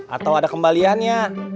atau ada kembaliannya